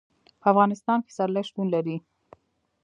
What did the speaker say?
په افغانستان کې پسرلی شتون لري.